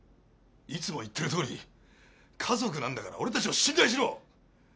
いつも言ってるとおり家族なんだから俺たちを信頼しろ。